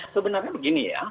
sebenarnya begini ya